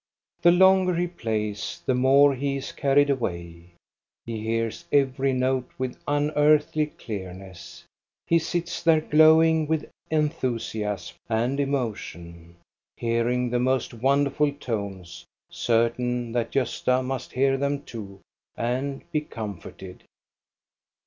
The longer he plays, the more he is carried away. He hears every note with unearthly clearness. He sits there glowing with enthusiasm and emotion, hearing the most wonderful tones, certain that Gosta must hear them too and be comforted.